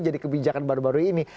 jadi kebijakan baru baru ini